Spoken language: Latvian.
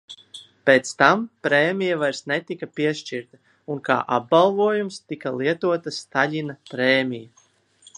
Pēc tam prēmija vairs netika piešķirta un kā apbalvojums tika lietota Staļina prēmija.